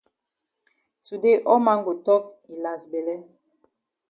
Today all man go tok yi las bele